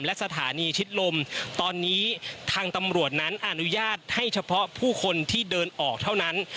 และสถานีชิดลมตอนนี้ทางตำรวจนั้นอนุญาตให้เฉพาะผู้คนที่เดินออกเท่านั้น